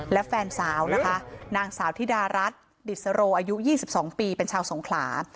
และแฟนสาวนะคะนางสาวธิดารัฐดิสโรอายุ๒๒ปีเป็นชาวสงขลา